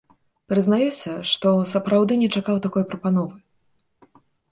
Прызнаюся, што сапраўды не чакаў такой прапановы.